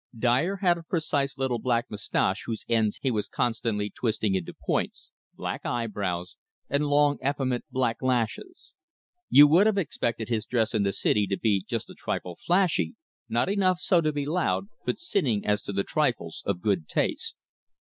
Dyer had a precise little black mustache whose ends he was constantly twisting into points, black eyebrows, and long effeminate black lashes. You would have expected his dress in the city to be just a trifle flashy, not enough so to be loud, but sinning as to the trifles of good taste.